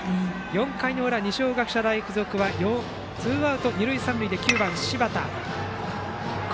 ４回の裏、二松学舎大付属はツーアウト、二塁三塁で９番、柴田。